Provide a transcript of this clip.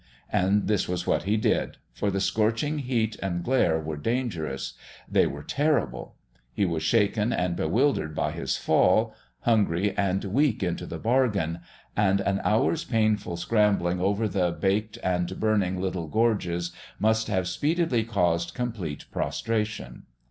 And this was what he did, for the scorching heat and glare were dangerous; they were terrible; he was shaken and bewildered by his fall, hungry and weak into the bargain; and an hour's painful scrambling over the baked and burning little gorges must have speedily caused complete prostration.